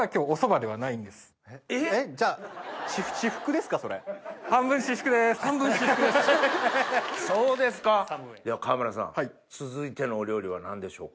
では川村さん続いてのお料理は何でしょうか？